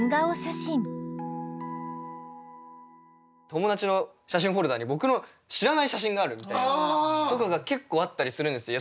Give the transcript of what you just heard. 友達の写真フォルダに僕の知らない写真があるみたいな。とかが結構あったりするんですよ。